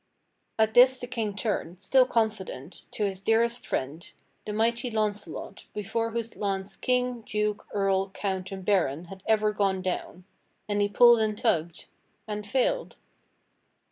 At this the King turned, still confident, to his dearest friend, the mighty Launcelot before whose lance king, duke, earl, count and baron had ever gone down; and he pulled and tugged — and failed.